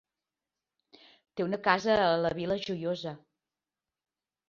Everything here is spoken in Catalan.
Té una casa a la Vila Joiosa.